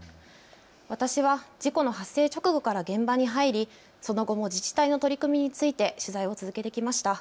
私は事故の発生直後から現場に入りその後も自治体の取り組みについて取材を続けてきました。